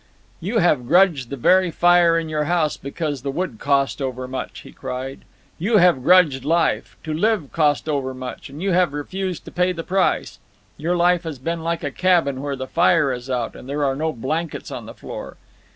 "You have grudged the very fire in your house because the wood cost overmuch!" he cried. "You have grudged life. To live cost overmuch, and you have refused to pay the price. Your life has been like a cabin where the fire is out and there are no blankets on the floor."